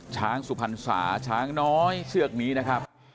ช้างสุพรรณศาสตร์ช้างน้อยเชือกมีนะครับ